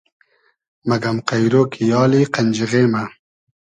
مئگئم قݷرۉ کی یالی قئنجیغې مۂ